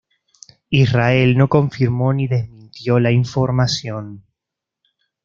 Israel no confirmó ni desmintió la información.